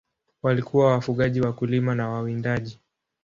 Walikuwa wafugaji, wakulima na wawindaji.